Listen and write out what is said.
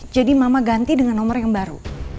jadi mama ganti dengan nomer yang baru